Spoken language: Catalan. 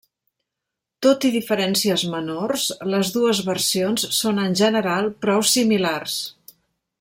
Tot i diferències menors, les dues versions són en general prou similars.